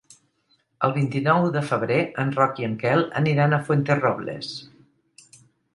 El vint-i-nou de febrer en Roc i en Quel aniran a Fuenterrobles.